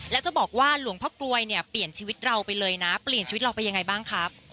แล้วจะบอกว่าหลวงพ่อกลวยเนี่ยเปลี่ยนชีวิตเราไปเลยนะเปลี่ยนชีวิตเราไปยังไงบ้างครับ